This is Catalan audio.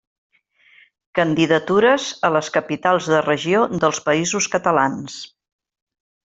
Candidatures a les capitals de regió dels Països Catalans.